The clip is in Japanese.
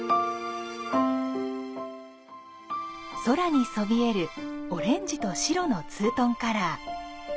空にそびえるオレンジと白のツートンカラー。